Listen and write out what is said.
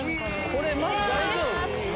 これマジ大丈夫？